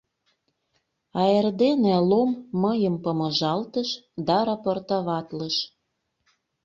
А эрдене Лом мыйым помыжалтыш да рапортоватлыш: